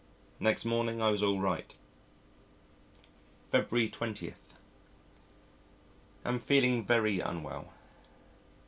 Next morning I was all right. February 20. Am feeling very unwell.